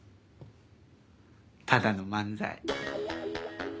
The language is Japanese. ただの漫才。